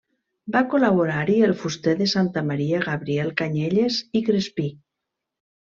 Va col·laborar-hi el fuster de Santa Maria Gabriel Canyelles i Crespí.